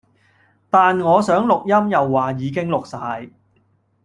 但我想錄音又話已經錄晒